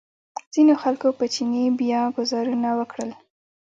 ځینو خلکو په چیني بیا ګوزارونه وکړل.